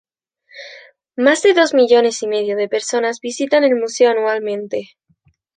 Más de dos millones y medio de personas visitan el museo anualmente.